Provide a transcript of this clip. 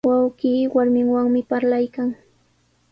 Wawqii warminwanmi parlaykan.